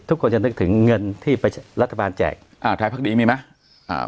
ทุกคนจะนึกถึงเงินที่ไปรัฐบาลแจกอ่าไทยพักดีมีไหมอ่า